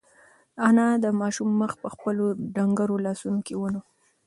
انا د ماشوم مخ په خپلو ډنگرو لاسونو کې ونیو.